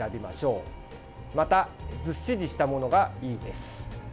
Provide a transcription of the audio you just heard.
また、ずっしりしたものがいいです。